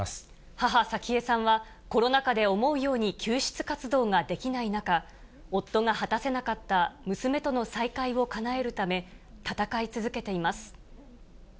母、早紀江さんは、コロナ禍で思うように救出活動ができない中、夫が果たせなかった娘との再会をかなえるため、戦い続けています。